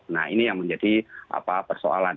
nah ini yang menjadi persoalan